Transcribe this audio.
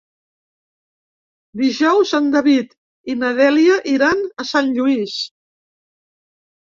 Dijous en David i na Dèlia iran a Sant Lluís.